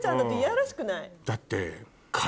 だって。